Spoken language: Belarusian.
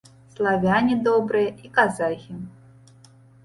Славяне добрыя і казахі.